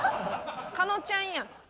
加納ちゃんやん。